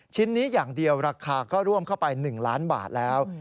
ชิ้นนี้อย่างเดียวราคาก็ร่วมเข้าไป๑ล้านบาทแล้ว